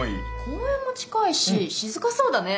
公園も近いし静かそうだね。